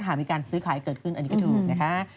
หากมีการซื้อขายเกิดขึ้นอันนี้ก็ถูกนะคะ